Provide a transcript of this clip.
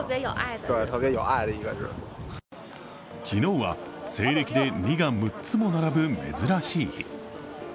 昨日は西暦で２が６つも並ぶ珍しい日。